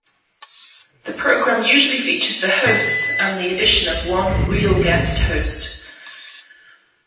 The program usually features the hosts and the addition of one "real" guest host.